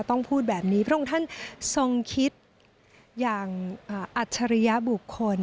พูดแบบนี้พระองค์ท่านทรงคิดอย่างอัจฉริยบุคคล